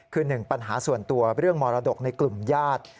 คือหนึ่งปัญหาส่วนตัวเรื่องมรดกในกลุ่มญาติ